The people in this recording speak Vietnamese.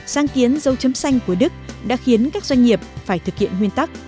sang kiến dâu chấm xanh của đức đã khiến các doanh nghiệp phải thực hiện huyên tắc